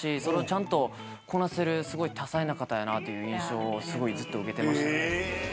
それをちゃんとこなせるすごい多彩な方やなという印象をずっと受けてました。